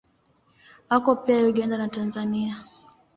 Wako pia Uganda na Tanzania.